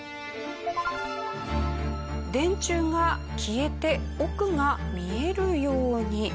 電柱が消えて奥が見えるように。